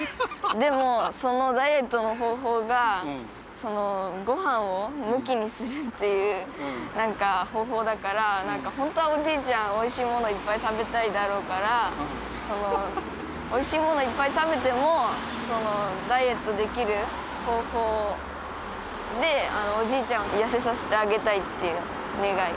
でもそのダイエットの方法がごはんを抜きにするっていう何か方法だから本当はおじいちゃんおいしいものいっぱい食べたいだろうからおいしいものをいっぱい食べてもダイエットできる方法でおじいちゃんを痩せさせてあげたいっていう願い。